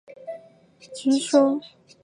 遂吸收众多渴望消灾除难的人入道。